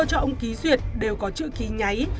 cho ông ký duyệt đều có chữ ký nháy